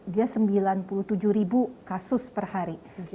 dia sembilan puluh tujuh ribu kasus per hari